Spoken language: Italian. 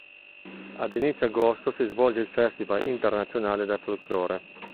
Ad inizio agosto si svolge il festival internazionale del Folklore.